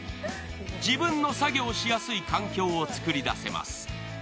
自分の作業しやすい環境を作り出せます。